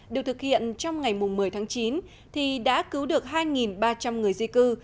được thực hiện trong ngày một mươi tháng chín thì đã cứu được hai ba trăm linh người di cư